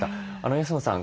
安野さん